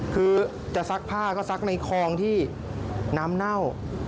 คือจะซักผ้าก็ซักในคลองที่น้ำเน่า